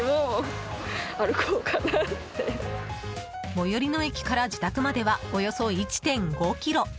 最寄りの駅から自宅まではおよそ１．５ｋｍ。